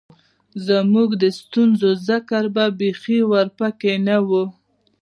زمونږ د ستونزو ذکــــــر به بېخي ورپکښې نۀ وۀ